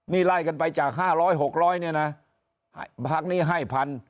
นี่ไล่กันไปจาก๕๐๐๖๐๐เนี่ยนะพักนี้ให้พัน